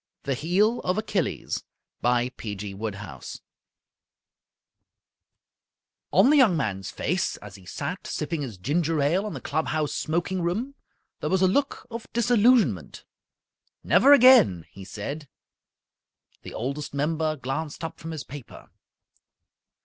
8 The Heel of Achilles On the young man's face, as he sat sipping his ginger ale in the club house smoking room, there was a look of disillusionment. "Never again!" he said. The Oldest Member glanced up from his paper.